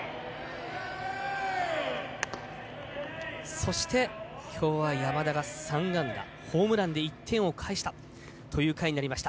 そしてきょうは山田が３安打ホームランで１点を返したという回になりました。